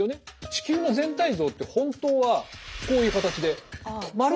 地球の全体像って本当はこういう形で丸いですよね。